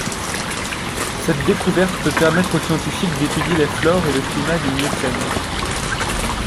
Cette découverte peut permettre aux scientifiques d’étudier la flore et le climat du Miocène.